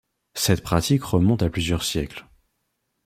Cette pratique remonte à plusieurs siècles.